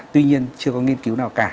tuy nhiên chưa có nghiên cứu nào cả